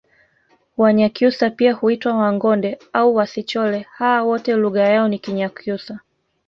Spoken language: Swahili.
Wanyakyusa pia huitwa wangonde au wasichole hawa wote lugha yao ni kinyakyusa